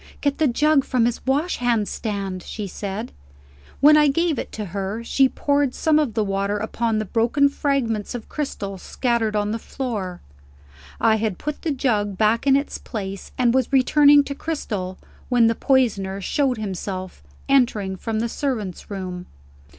"Get the jug from his washhand stand," she said. When I gave it to her, she poured some of the water upon the broken fragments of crystal scattered on the floor. I had put the jug back in its place, and was returning to Cristel, when the poisoner showed himself, entering from the servant's room.